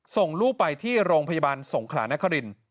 ส่งลูกไปที่โรงพยาบาลสงขลานคริน